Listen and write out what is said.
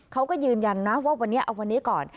เขาก็ยืนยันนะว่าวันนี้เอาวันนี้ก่อน